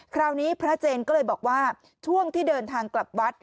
คราวนี้พระเจนก็เลยบอกว่าช่วงที่เดินทางกลับวัด